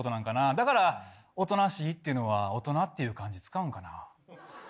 だから、大人しいっていうのは、大人っていう漢字使うんかな？